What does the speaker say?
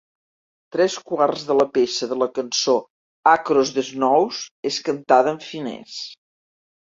Tres quarts de la peça de la cançó "Across the Snows" és cantada en finès.